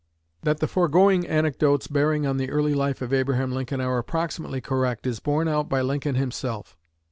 That the foregoing anecdotes bearing on the early life of Abraham Lincoln are approximately correct is borne out by Lincoln himself.